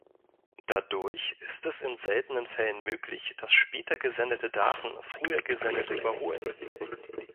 Dadurch ist es in seltenen Fällen möglich, dass später gesendete Daten früher gesendete überholen.